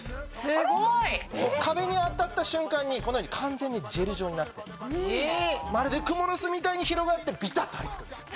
すごい！壁に当たった瞬間にこのように完全にジェル状になってまるでクモの巣みたいに広がってビタっと張り付くんですよ。